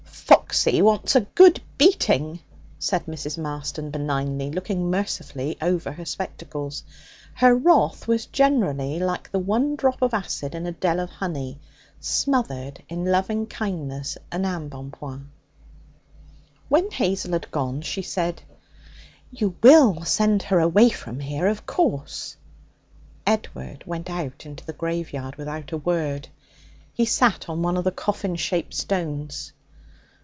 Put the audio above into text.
'Foxy wants a good beating,' said Mrs. Marston benignly, looking mercifully over her spectacles. Her wrath was generally like the one drop of acid in a dell of honey, smothered in loving kindness and embonpoint. When Hazel had gone, she said: 'You will send her away from here, of course?' Edward went out into the graveyard without a word. He sat on one of the coffin shaped stones.